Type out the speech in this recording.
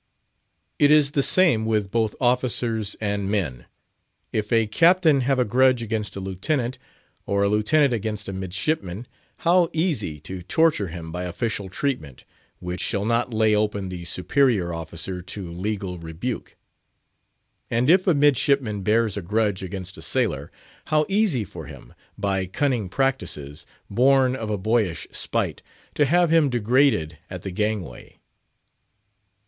It is the same with both officers and men. If a Captain have a grudge against a Lieutenant, or a Lieutenant against a midshipman, how easy to torture him by official treatment, which shall not lay open the superior officer to legal rebuke. And if a midshipman bears a grudge against a sailor, how easy for him, by cunning practices, born of a boyish spite, to have him degraded at the gangway.